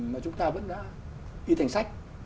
mà chúng ta vẫn đã đi thành sách